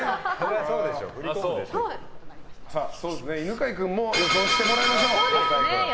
犬飼君も予想してもらいましょう。